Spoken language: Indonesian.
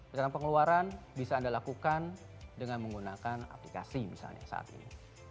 besaran pengeluaran bisa anda lakukan dengan menggunakan aplikasi misalnya saat ini